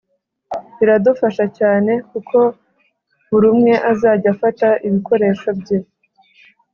biradufasha cyane kuko buri umwe azajya afata ibikoresho bye